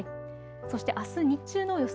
そしてあす日中の予想